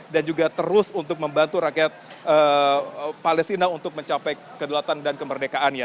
dan juga terus untuk membantu rakyat palestina untuk mencapai kedulatan dan kemerdekaannya